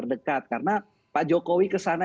dekat karena pak jokowi kesana